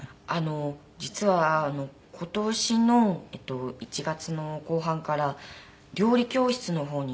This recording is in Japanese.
実は今年の１月の後半から料理教室の方に。